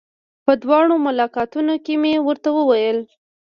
په دواړو ملاقاتونو کې مې ورته وويل.